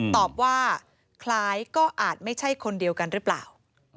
ตอบว่าคล้ายก็อาจไม่ใช่คนเดียวกันหรือเปล่า